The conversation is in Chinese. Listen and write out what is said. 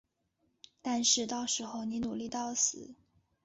但是到时候你努力到死